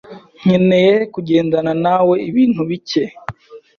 nkeneye kugendana nawe ibintu bike.